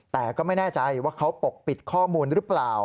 แต่ก็ไม่แน่ใจว่าเขาปกปิดข้อมูลหรือเปล่า